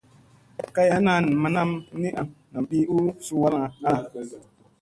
Kay ana an manam ni ana nam ɓii u suu varamma ana.